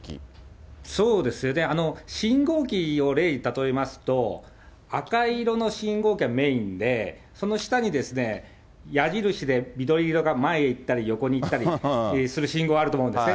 そうですね、信号機を例に例えますと、赤色の信号機がメインで、その下に、矢印で緑色が前にいったり、横にいったりする信号あると思うんですね。